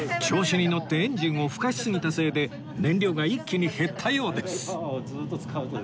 調子に乗ってエンジンをふかしすぎたせいで燃料が一気に減ったようです